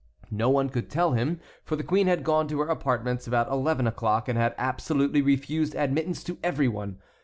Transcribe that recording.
No one could tell him, for the queen had gone to her apartments about eleven o'clock and had absolutely refused admittance to every one.